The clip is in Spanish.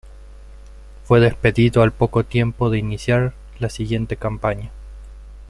Fue despedido al poco tiempo de iniciar la siguiente campaña.